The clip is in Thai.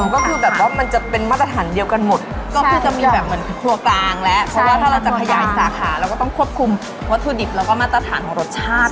ก็คือแบบว่ามันจะเป็นมาตรฐานเดียวกันหมดก็คือจะมีแบบเหมือนครัวกลางแล้วเพราะว่าถ้าเราจะขยายสาขาเราก็ต้องควบคุมวัตถุดิบแล้วก็มาตรฐานของรสชาติ